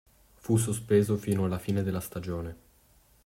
Fu sospeso fino alla fine della stagione.